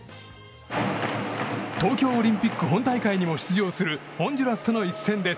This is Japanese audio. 東京オリンピック本大会にも出場するホンジュラスとの一戦です。